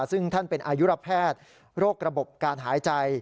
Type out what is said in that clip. ซึ่งท่านเป็นอายุรแพทย์โรคระบบการหายใจ